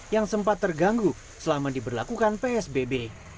yang sempat terganggu selama diberlakukan psbb